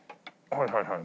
はいはいはい。